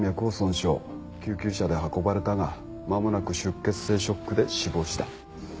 救急車で運ばれたが間もなく出血性ショックで死亡した。